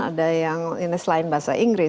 ada yang ini selain bahasa inggris